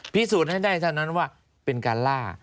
พิสูจน์ให้ได้เท่านั้นว่าเป็นการล่า